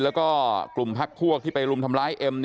แล้วก็กลุ่มพักพวกที่ไปรุมทำร้ายเอ็ม